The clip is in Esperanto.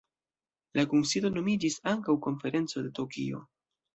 La kunsido nomiĝis ankaŭ Konferenco de Tokio.